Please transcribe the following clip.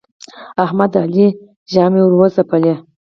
احمد د علي ژامې ور وځبلې.